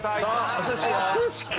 お寿司か。